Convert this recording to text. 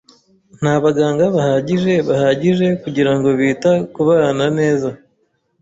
Nta baganga bahagije bahagije kugirango bita kubana neza.